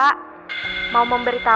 gak mau gede papa